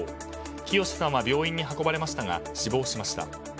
喜好さんは病院に運ばれましたが死亡しました。